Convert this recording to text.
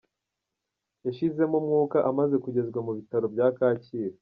Yashizemo umwuka amaze kugezwa mu bitaro bya Kacyiru.